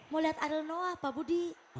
mau lihat ariel noah pak budi